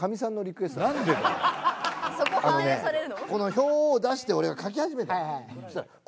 表を出して俺が書き始めたの。